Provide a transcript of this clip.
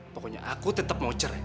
pokoknya aku tetap mau cerai